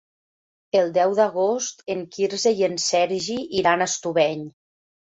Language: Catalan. El deu d'agost en Quirze i en Sergi iran a Estubeny.